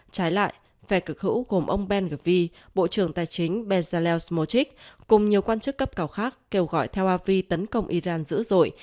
trái lại phè cực hữu gồm ông ben ghvi bộ trưởng tài chính bezalel smotik cùng nhiều quan chức cấp cầu khác kêu gọi theo avi tấn công iran dữ dội